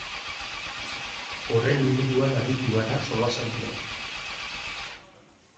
Horren inguruan aritu gara solasaldian.